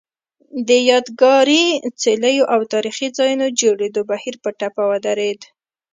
د یادګاري څلیو او تاریخي ځایونو جوړېدو بهیر په ټپه ودرېد